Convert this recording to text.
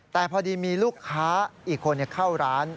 แต่พอดีมีลูกค้าอีกคนเข้าร้าน